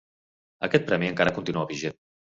Aquest premi encara continua vigent.